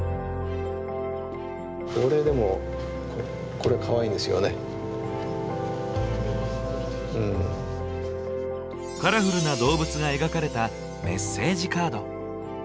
俺でもカラフルな動物が描かれたメッセージカード。